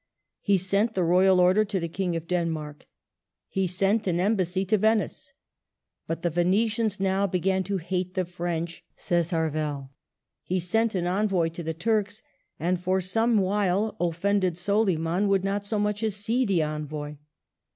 He sent the Royal Order to the King of Denmark. He sent an Embassy to Venice. *' But the Venetians now begin to hate the French," says Harvel. He sent an envoy to the Turk; and for some while offended Soliman would not so much as see the envoy.